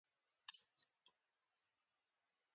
د حاصلاتو د برداشت لپاره مناسب میخانیکي وسایل وکارول شي.